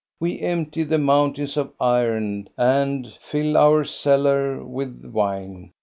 " We empty the mountains of iron and flU our cellar with wine.